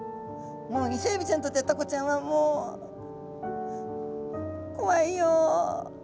もうイセエビちゃんにとってはタコちゃんはもう「こわいよ」。